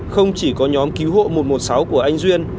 không chỉ có nhóm cứu hộ một trăm một mươi sáu của anh duyên